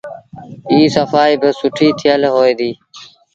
ائيٚݩ سڦآئيٚ با سُٺي ٿيل هوئي ديٚ۔